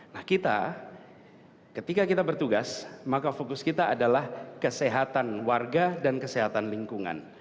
nah kita ketika kita bertugas maka fokus kita adalah kesehatan warga dan kesehatan lingkungan